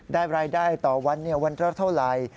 ได้รายได้ต่อวันวันเท่าไร